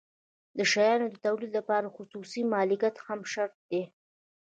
د شیانو د تولید لپاره خصوصي مالکیت هم شرط دی.